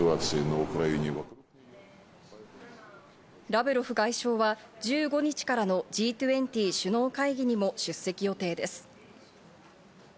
ラブロフ外相は１５日からのＧ２０首脳会議にも出席予定です。